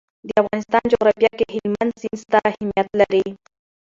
د افغانستان جغرافیه کې هلمند سیند ستر اهمیت لري.